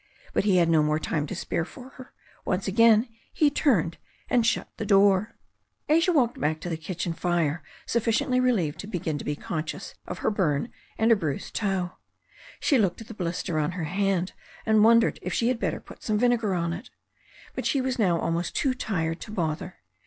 But he had no more time to spare for her. Once again he turned and shut the door. Asia walked back to the kitchen fire sufficiently relieved to begin to be conscious of her burn and her bruised toe. She looked at the blister on her hand, and wondered if she had better put some vinegar on it. But she was now almost too tired to bother.